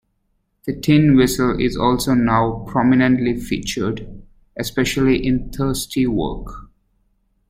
The tin whistle is also now prominently featured, especially in Thirsty Work.